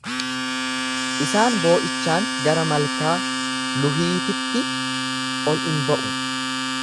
Isaan boo’ichaan gara malkaaa Luhiititti ol ni ba’u.